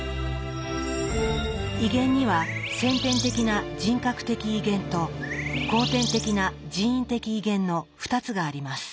威厳には「先天的な人格的威厳」と「後天的な人為的威厳」の２つがあります。